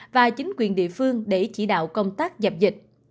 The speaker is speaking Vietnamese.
và chính quyền địa phương để chỉ đạo công tác dập dịch